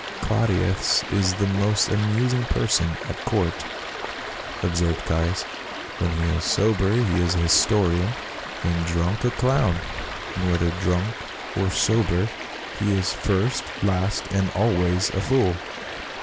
" Claudius is the most amusing person at court," CLA UDIUS CJESAB. 211 observed Caius, " when he is sober he is a historian ; when drunk a clown, and whether drunk or sober, he is first, last, and always a fool."